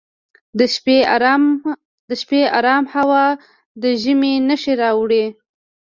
د شپې ارام هوا د ژمي نښې راوړي.